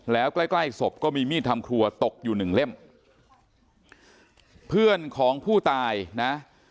แล้วใกล้ใกล้ศพก็มีมีดทำครัวตกอยู่หนึ่งเล่มเพื่อนของผู้ตายนะ